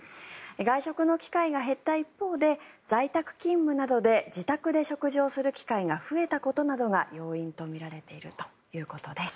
外食の機会が減った一方で在宅勤務などで自宅で食事をする機会が増えたことなどが要因とみられているということです。